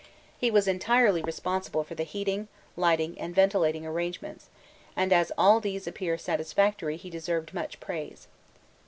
He was entirely responsible for the heating, lighting, and ventilating arrangements, and as all these appear satisfactory he deserved much praise.